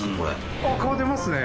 あっ顔出ますね。